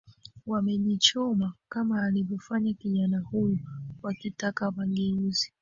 wamejichoma kama alivyofanya kijana huyu wakitaka mageuzi